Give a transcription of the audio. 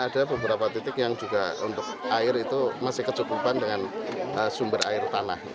ada beberapa titik yang juga untuk air itu masih kecukupan dengan sumber air tanah